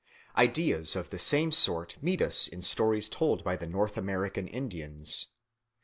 Ideas of the same sort meet us in stories told by the North American Indians.